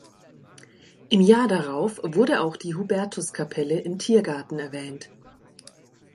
Im Jahr darauf wurde auch die Hubertuskapelle im Tiergarten erwähnt.